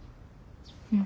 うん。